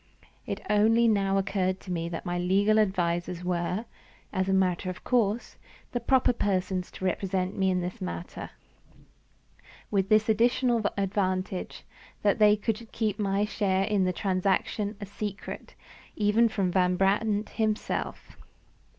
It only now occurred to me that my legal advisers were, as a matter of course, the proper persons to represent me in the matter with this additional advantage, that they could keep my share in the transaction a secret even from Van Brandt himself.